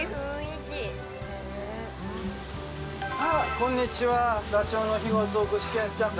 こんにちは。